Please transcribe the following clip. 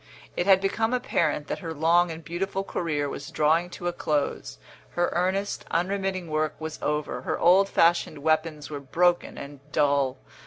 It had become apparent that her long and beautiful career was drawing to a close, her earnest, unremitting work was over, her old fashioned weapons were broken and dull.